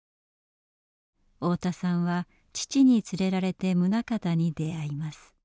太田さんは父に連れられて棟方に出会います。